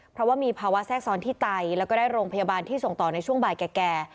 เพราะว่ามีภาวะแทรกซ้อนที่ไตแล้วก็ได้โรงพยาบาลที่ส่งต่อในช่วงบ่ายแก่